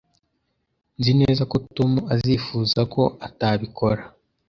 Nzi neza ko Tom azifuza ko atabikora